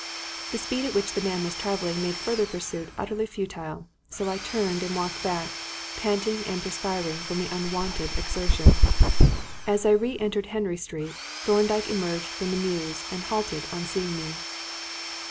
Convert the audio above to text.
The speed at which the man was travelling made further pursuit utterly futile, so I turned and walked back, panting and perspiring from the unwonted exertion. As I re entered Henry Street, Thorndyke emerged from the mews and halted on seeing me.